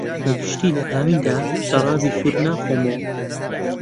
بەگشتی لە هاویندا شەرابی سوور ناخۆمەوە.